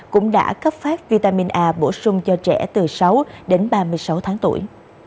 cũng đã cấp phát vitamin a bổ sung cho trẻ từ sáu đến ba tuổi